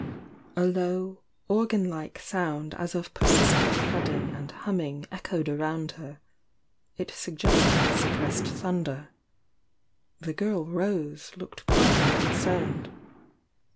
A low, organ like sound as of persistent thudding and humming echoed around her, — it suggested sup pressed thunder. The girl Rose looked quite un concerned.